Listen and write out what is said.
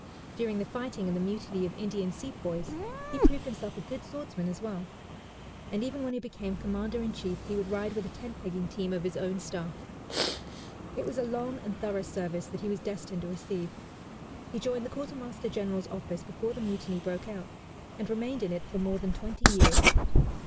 During the fighting in the mutiny of Indian sepoys, he proved himself a good swordsman as well; and even when he became Commander in chief, he would ride with a tent pegging team of his own staff. It was a long and thorough service that he was destined to receive. He joined the Quartermaster General's office before the mutiny broke out, and remained in it for more than twenty years.